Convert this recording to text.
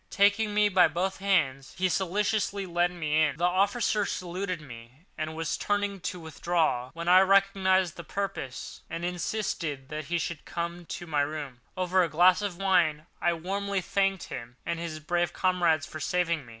Taking me by both hands he solicitously led me in. The officer saluted me and was turning to withdraw, when I recognised his purpose, and insisted that he should come to my rooms. Over a glass of wine I warmly thanked him and his brave comrades for saving me.